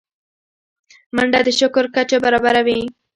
منډه د شکر کچه برابروي